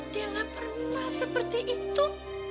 dia gak pernah seperti itu